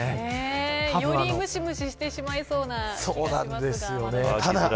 よりむしむししてしまいそうな気がしますが。